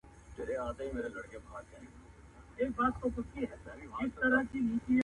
هر څوک د خپل ژوند